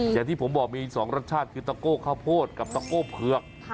อย่างที่ผมบอกมี๒รสชาติคือตะโก้ข้าวโพดกับตะโก้เผือก